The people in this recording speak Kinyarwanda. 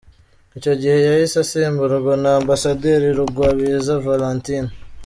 Icyo gihe yahise asimburwa na Ambasaderi Rugwabiza Valentine.